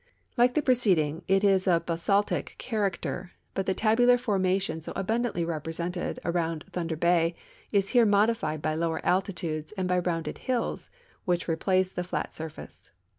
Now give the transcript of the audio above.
Like the preceding, it is of basaltic character, hut the tal)ular formation so abundantly represented about Thunder l)ay is here modified by lower altitudes and by rounded hills, which replace tiie flat surface.